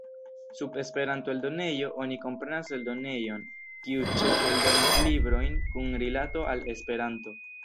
Sub "Esperanto-eldonejo" oni komprenas eldonejon, kiu ĉefe eldonas librojn kun rilato al Esperanto.